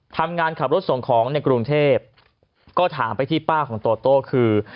ทำงานขับรถส่งของในกรุงเทพก็ถามไปที่ป้าของโตโต้คือ